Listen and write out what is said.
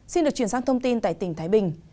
xin được chuyển sang thông tin tại tỉnh thái bình